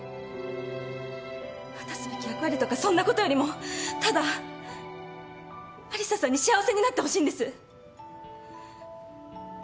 果たすべき役割とかそんなことよりもただ有沙さんに幸せになってほしいんです。